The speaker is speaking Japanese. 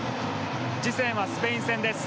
次戦はスペイン戦です。